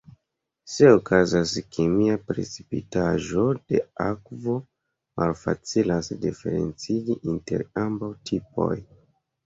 Se okazas kemia precipitaĵo de akvo malfacilas diferencigi inter ambaŭ tipoj.